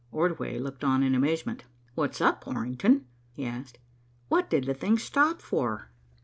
Ordway looked on in amazement. "What's up, Orrington?" he asked. "What did the thing stop for?"